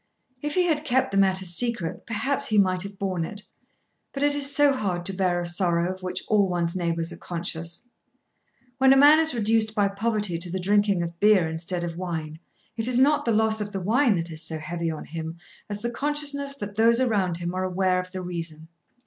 If he had kept the matter secret, perhaps he might have borne it; but it is so hard to bear a sorrow of which all one's neighbours are conscious. When a man is reduced by poverty to the drinking of beer instead of wine, it is not the loss of the wine that is so heavy on him as the consciousness that those around him are aware of the reason.